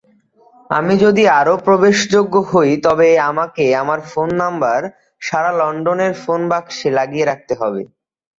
আমি যদি আরও প্রবেশযোগ্য হই তবে আমাকে আমার ফোন নাম্বার সারা লন্ডনের ফোন বাক্সে লাগিয়ে রাখতে হবে।